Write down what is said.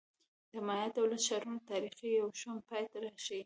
د مایا دولت ښارونو تاریخ یو شوم پای راښيي